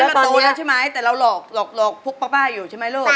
จริงแล้วเราโตแล้วใช่ไหมแต่เราหลอกพวกป๊าอยู่ใช่ไหมลูก